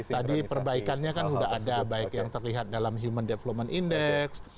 jadi perbaikannya kan sudah ada baik yang terlihat dalam human development index